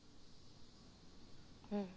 うん。